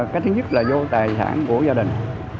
cái thứ nhất là vô tài sản của gia đình